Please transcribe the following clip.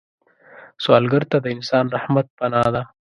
سوالګر ته د انسان رحمت پناه ده